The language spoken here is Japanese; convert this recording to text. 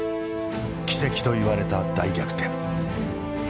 奇跡と言われた大逆転。